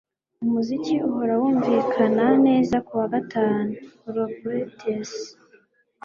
umuziki uhora wumvikana neza ku wa gatanu - lou brutus